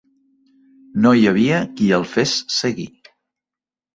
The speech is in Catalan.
No hi havia qui el fes seguir.